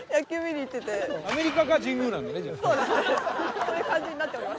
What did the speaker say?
そういう感じになってます。